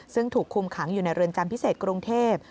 ซึ่งถูกคุมขังอยู่ในเรือนจำพิเศษกรุงเทพ